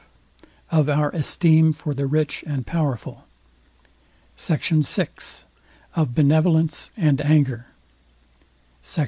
V OF OUR ESTEEM FOR THE RICH AND POWERFUL SECT. VI OF BENEVOLENCE AND ANGER SECT.